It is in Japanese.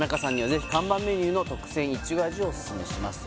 「ぜひ看板メニューの特選苺味をおすすめします」